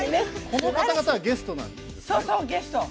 この方々はゲストなんですね。